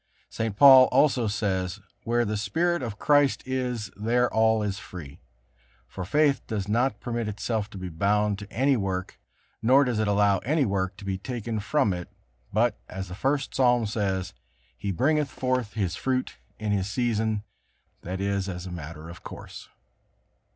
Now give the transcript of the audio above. St. Paul also says: "Where the Spirit of Christ is, there all is free." For faith does not permit itself to be bound to any work, nor does it allow any work to be taken from it, but, as the First Psalm says, "He bringeth forth his fruit in his season," that is, as a matter of course.